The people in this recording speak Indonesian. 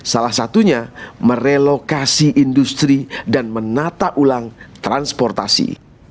salah satunya merelokasi industri dan menata ulang transportasi